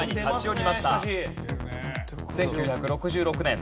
１９６６年。